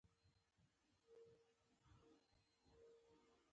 پښتو ژبه باید د هر پښتون په ورځني ژوند کې شتون ولري.